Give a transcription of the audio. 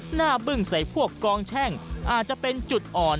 บึ้งใส่พวกกองแช่งอาจจะเป็นจุดอ่อน